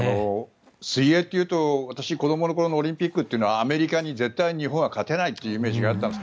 水泳というと私、子どもの頃のオリンピックはアメリカに絶対に日本は勝てないというイメージがあったんです。